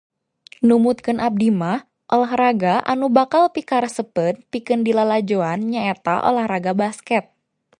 Numutkeun abdi mah, olahraga anu bakal pikaresepeun pikeun dilalajoan nyaeta olahraga basket.